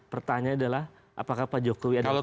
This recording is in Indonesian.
pertanyaannya adalah apakah pak jokowi adalah korupsi